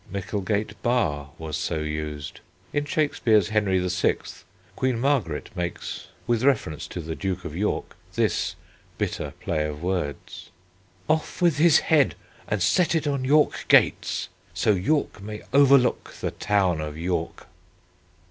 Micklegate Bar was so used. In Shakespeare's Henry VI. Queen Margaret makes, with reference to the Duke of York, this bitter play of words: "Off with his head and set it on York gates; So York may overlook the town of York."